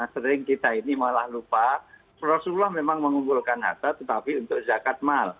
sering kita ini malah lupa rasulullah memang mengumpulkan harta tetapi untuk zakat mal